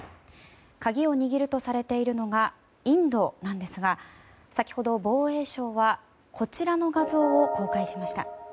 鍵を握るとされているのがインドなんですが先ほど防衛省はこちらの画像を公開しました。